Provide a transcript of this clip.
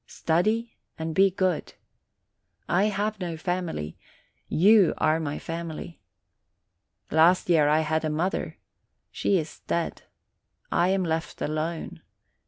Study and be good. I have no family; you are my family. Last year I had a mother; she is dead. I am left alone.